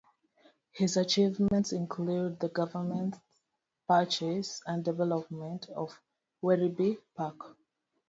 His achievements included the government's purchase and development of Werribee Park.